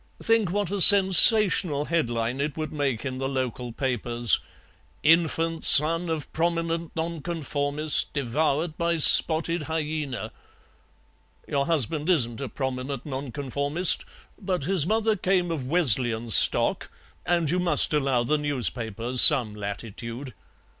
Think what a sensational headline it would make in the local papers: 'Infant son of prominent Nonconformist devoured by spotted hyaena.' Your husband isn't a prominent Nonconformist, but his mother came of Wesleyan stock, and you must allow the newspapers some latitude."